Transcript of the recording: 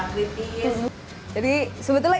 kritis jadi sebetulnya